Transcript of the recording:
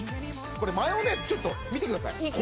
これマヨネーズちょっと見てください。